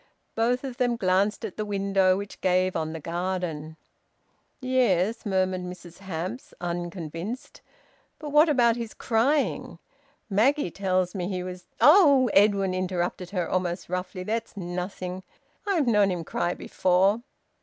Both of them glanced at the window, which gave on the garden. "Yes," murmured Mrs Hamps, unconvinced. "But what about his crying? Maggie tells me he was " "Oh!" Edwin interrupted her almost roughly. "That's nothing. I've known him cry before."